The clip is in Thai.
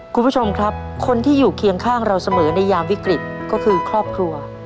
คุณผู้ชมครับคนที่อยู่เคียงข้างเราเสมอในยามวิกฤตก็คือครอบครัว